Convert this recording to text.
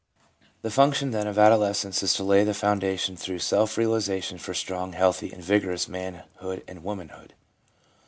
The function, then, of adolescence is to lay the foundation through self realisation for strong, healthy and vigorous manhood and womanhood.